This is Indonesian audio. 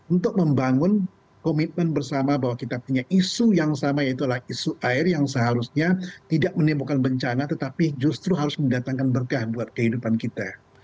untuk membangun komitmen bersama bahwa kita punya isu yang sama yaitulah isu air yang seharusnya tidak menimbulkan bencana tetapi justru harus mendatangkan berkah buat kehidupan kita